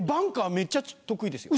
めっちゃ得意ですよ。